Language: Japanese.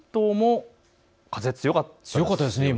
関東も風が強かったですね。